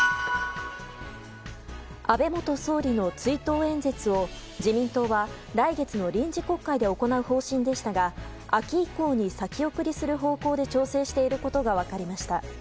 安倍元総理の追悼演説を自民党は来月の臨時国会で行う方針でしたが秋以降に先送りする方向で調整していることが分かりました。